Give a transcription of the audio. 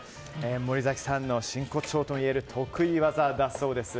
森崎さんの真骨頂ともいえる得意技だそうです。